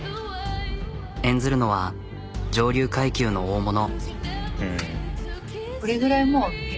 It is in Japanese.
演ずるのは上流階級の大物。